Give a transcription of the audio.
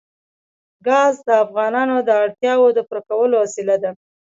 ګاز د افغانانو د اړتیاوو د پوره کولو وسیله ده.